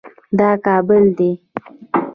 دا کابل دی